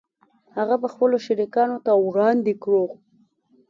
هغه به خپلو شریکانو ته وړاندې کړو